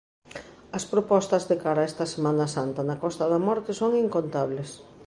As propostas de cara a esta Semana Santa na Costa da Morte son incontables.